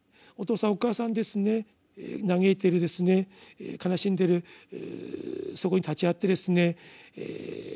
お父さんお母さんですね嘆いてる悲しんでるそこに立ち会ってですね